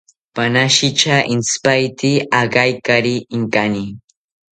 Panashitya intzipaete agaikari inkani